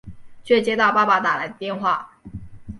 却接到爸爸打来的电话